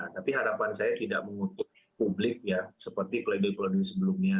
tapi harapan saya tidak mengutuk publik ya seperti pledoi pledoi sebelumnya